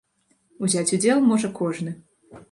Узяць удзел можа кожны.